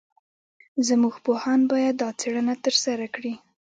زموږ پوهان باید دا څېړنه ترسره کړي.